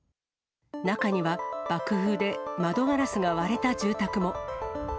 中には、爆風で窓ガラスが割れた住宅も。